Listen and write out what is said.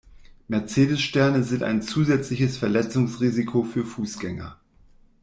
Mercedes-Sterne sind ein zusätzliches Verletzungsrisiko für Fußgänger.